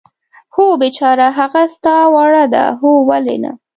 هو، بېچاره، هغه ستا وړ ده؟ هو، ولې نه.